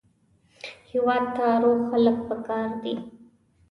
هېواد ته روغ خلک پکار دي